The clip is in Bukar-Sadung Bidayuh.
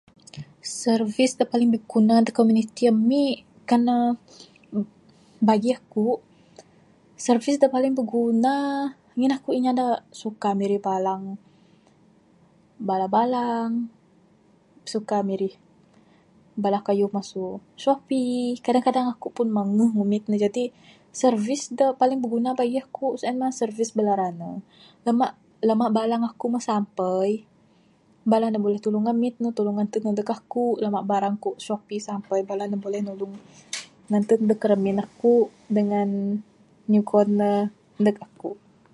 Servis da paling biguna da komuniti amik, kan ne bagi akuk, servis da paling biguna, ngin akuk nya da suka mirit balang. Balang balang, suka mirit bala kayuh masu shoppee. Kadang kadang akuk pun manguh ngumit ne. Jadi servis da paling biguna bagi akuk sien ceh, servis bala runner. Lamak, lamak balang akuk moh sampai, bala ne buleh tulung ngumit, tulung ngantud ne ndug akuk lamak barang kuk shoppee kuk sampai. Bala ne buleh nulung ngantud ne ndug ramin akuk dengan nyugon ne ndug akuk.